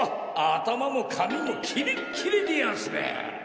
頭も紙もキレッキレでやんすね！